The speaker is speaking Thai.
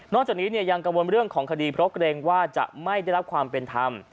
จากนี้ยังกังวลเรื่องของคดีเพราะเกรงว่าจะไม่ได้รับความเป็นธรรม